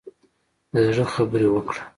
د زړه خبرې وکړه.